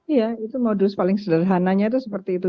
iya itu modus paling sederhananya itu seperti itu